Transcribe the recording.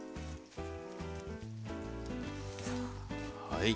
はい。